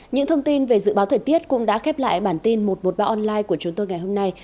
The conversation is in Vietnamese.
những thông tin về dự báo thời tiết cũng đã khép lại bản tin một trăm một mươi ba online của chúng tôi ngày hôm nay